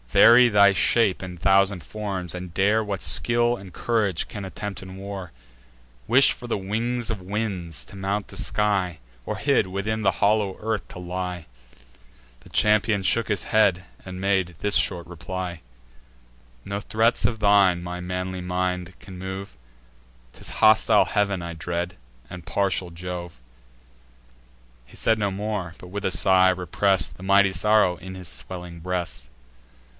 Vary thy shape in thousand forms, and dare What skill and courage can attempt in war; Wish for the wings of winds, to mount the sky; Or hid, within the hollow earth to lie!" The champion shook his head, and made this short reply: "No threats of thine my manly mind can move; 'Tis hostile heav'n I dread, and partial Jove." He said no more, but, with a sigh, repress'd The mighty sorrow in his swelling breast.